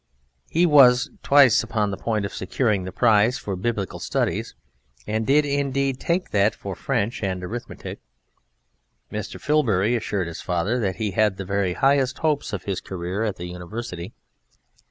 He was twice upon the point of securing the prize for Biblical studies and did indeed take that for French and arithmetic. Mr. Filbury assured his father that he had the very highest hopes of his career at the University.